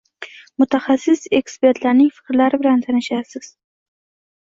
mutaxassis-ekspertlarning fikrlari bilan tanishasiz.